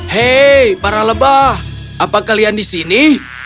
hei para lebah apa kalian di sini